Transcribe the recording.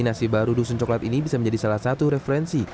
nasi baru dusun coklat ini bisa menjadi salah satu referensi